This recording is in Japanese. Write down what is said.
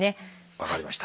分かりました。